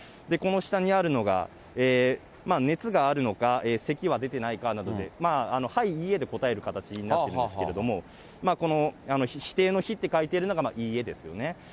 この下にあるのが、熱があるのか、せきは出てないか、はい、いいえで答える形になってるんですけれども、否定の否って書いてあるのがいいえですよね。